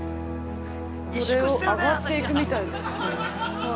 これを上がっていくみたいです。